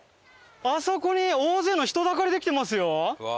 あそこに大勢の人だかりできてますよ！